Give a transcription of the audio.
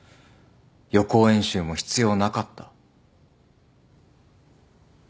予行演習も必要なかった。